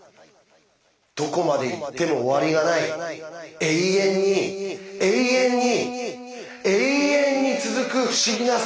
どこまで行っても終わりがない永遠に永遠にえいえんに続く不思議な世界。